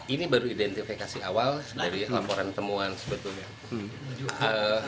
ini baru identifikasi awal dari laporan temuan sebetulnya